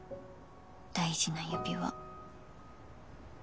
大事な指輪。